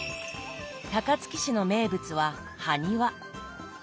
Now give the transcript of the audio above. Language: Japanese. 高槻市の名物ははにわ。